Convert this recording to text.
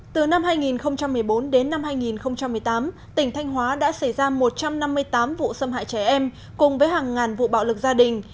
từ năm hai nghìn một mươi bốn đến năm hai nghìn một mươi tám tỉnh thanh hóa đã xảy ra một trăm năm mươi tám vụ xâm hại trẻ em cùng với hàng ngàn vụ bạo lực gia đình